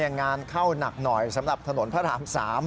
งานเข้าหนักหน่อยสำหรับถนนพระราม๓